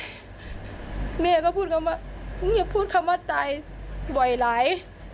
สมมติว่าพูดของหญิงลีว่าได้แต่บ่อย